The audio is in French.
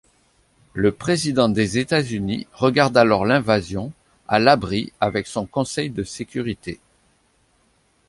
Le Président des États-Unis regarde alors l'invasion, à l’abri avec son conseil de sécurité.